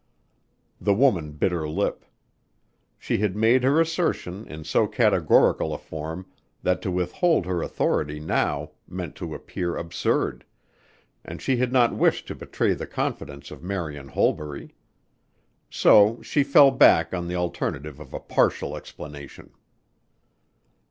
The woman bit her lip. She had made her assertion in so categorical a form that to withhold her authority now meant to appear absurd, and she had not wished to betray the confidence of Marian Holbury. So she fell back on the alternative of a partial explanation.